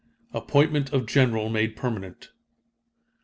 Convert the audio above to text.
Appointment of general made permanent.